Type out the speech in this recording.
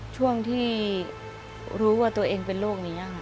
ช่วงที่รู้ว่าตัวเองเป็นโรคนี้ค่ะ